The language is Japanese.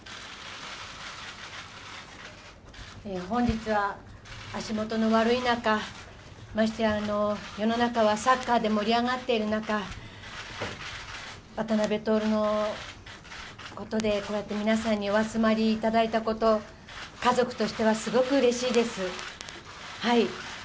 本日は足元の悪い中、ましてや世の中はサッカーで盛り上がっている中、渡辺徹のことでこうやって皆さんにお集まりいただいたこと、家族としてはすごくうれしいです。